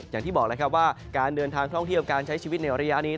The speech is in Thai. อย่างที่บอกแล้วครับว่าการเดินทางท่องเที่ยวการใช้ชีวิตในระยะนี้